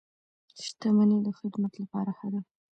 • شتمني د خدمت لپاره ښه ده.